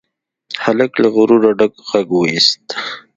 هلک له غروره ډک غږ واېست.